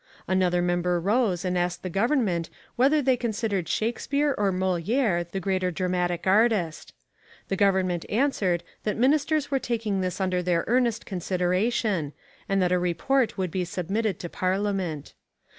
Another member rose and asked the government whether they considered Shakespere or Moliere the greater dramatic artist. The government answered that ministers were taking this under their earnest consideration and that a report would be submitted to Parliament.